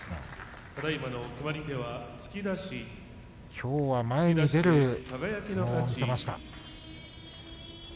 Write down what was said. きょうは前に出る相撲を見せました。